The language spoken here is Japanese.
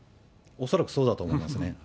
恐らくそうだと思いますね。